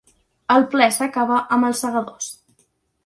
El ple s’acaba amb ‘Els segadors’.